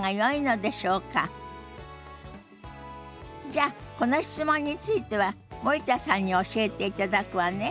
じゃあこの質問については森田さんに教えていただくわね。